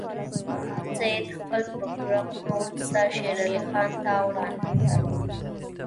سید خپل پروګرامونه وروسته شېر علي خان ته وړاندې کړل.